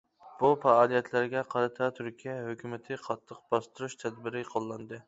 بۇ پائالىيەتلەرگە قارتا تۈركىيە ھۆكۈمىتى قاتتىق باستۇرۇش تەدبىرى قوللاندى.